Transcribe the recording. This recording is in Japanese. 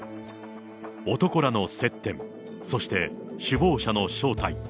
男らの接点、そして首謀者の正体。